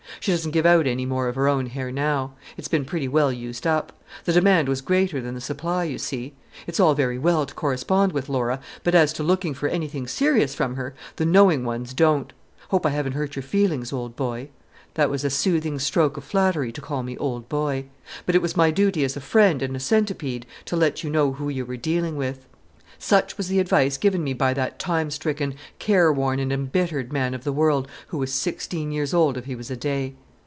She doesn't give out any more of her own hair now. It's been pretty well used up. The demand was greater than the supply, you see. It's all very well to correspond with Laura, but as to looking for anything serious from her, the knowing ones don't. Hope I haven't hurt your feelings, old boy," (that was a soothing stroke of flattery to call me "old boy,") "but it was my duty as a friend and a Centipede to let you know who you were dealing with." Such was the advice given me by that time stricken, careworn, and embittered man of the world, who was sixteen years old if he was a day.